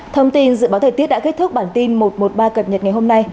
thông tin dự báo thời tiết đã kết thúc bản tin một trăm một mươi ba cập nhật ngày hôm nay